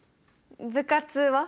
部活は？